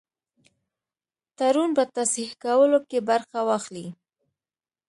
تړون په تصحیح کولو کې برخه واخلي.